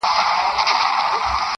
• چي د ژوند پیکه رنګونه زرغونه سي..